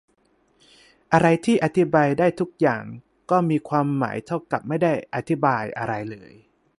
อะไรที่อธิบายได้ทุกอย่างก็มีความหมายเท่ากับไม่ได้อธิบายอะไรเลย